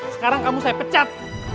sekarang kamu saya pecat